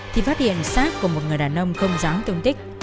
thì phát hiện sát của một người đàn ông không dám tung tích